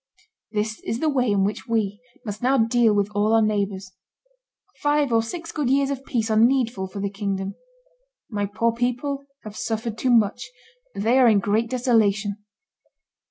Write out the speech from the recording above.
This is the way in which we, must now deal with all our neighbors. Five or six good years of peace are needful for the kingdom. My poor people have suffered too much; they are in great desolation.